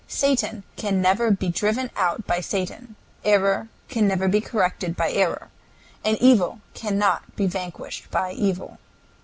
Satan can never be driven out by Satan. Error can never be corrected by error, and evil cannot be vanquished by evil.